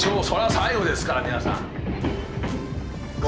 そりゃ最後ですから皆さん。